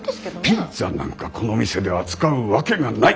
ピッツァなんかこの店で扱うわけがない。